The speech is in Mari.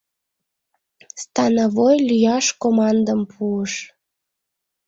Становой лӱяш командым пуыш.